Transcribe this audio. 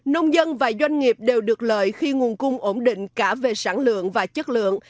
nông dân và doanh nghiệp đều được lợi khi nguồn cung ổn định cả về sản lượng và chất lượng